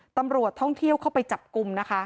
ตำรวจท่องเที่ยวเข้าไปจับกลุ่มนะคะ